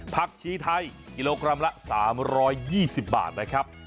ผักชีไทยกิโลกรัมละ๓๒๐บาทนะครับ